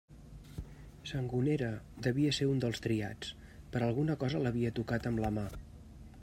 Sangonera devia ser un dels triats: per alguna cosa l'havia tocat amb la mà.